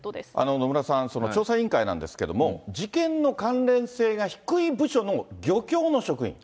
野村さん、調査委員会なんですけれども、事件の関連性が低い部署の漁協の職員。